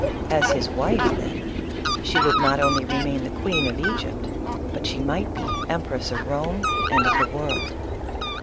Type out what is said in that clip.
As his wife, then, she would not only remain the queen of Egypt, but she might be Empress of Eorne and of the world.